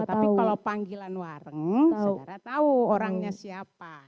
tapi kalau panggilan wareng saudara tahu orangnya siapa